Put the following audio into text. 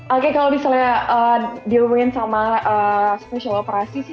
oke kalau misalnya dirumuin sama special operasi sih